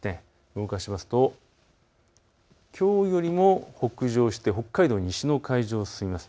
動かしますときょうよりも北上して北海道、西の海上を進みます。